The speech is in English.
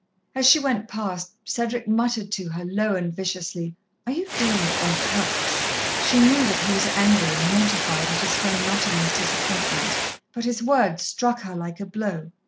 As she went past, Cedric muttered to her low and viciously: "Are you doing it on purpose?" She knew that he was angry and mortified at his friend Nottingham's disappointment, but his words struck her like a blow.